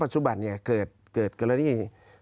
ณปัจจุบันนี้เกิดกรณี